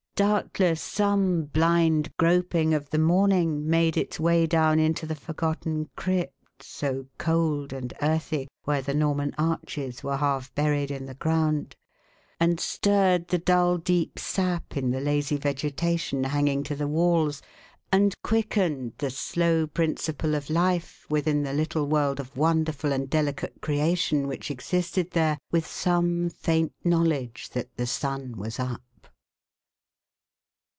Doubtless some blind groping of the morning made its way down into the forgotten crypt so cold and earthy, where the Norman arches were half buried in the ground, and stirred the dull deep sap in the lazy vegetation hang ing to the walls, and quickened the slow principle of life 500 THE HAUNTED MAN. within the little world of wonderful and delicate creation which existed there, with some faint knowledge that the sun was up.